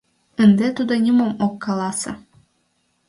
Ынде тудо нимом ок каласе.